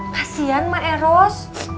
kasian ma eros